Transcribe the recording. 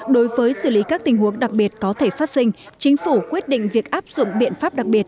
đối với xử lý các tình huống đặc biệt có thể phát sinh chính phủ quyết định việc áp dụng biện pháp đặc biệt